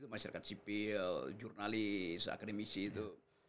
masyarakat sipil jurnalis akademisi itu